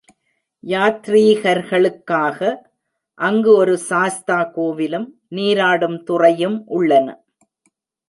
யாத்ரீகர்களுக்காக அங்கு ஒரு சாஸ்தா கோவிலும் நீராடும் துறையும் உள்ளன.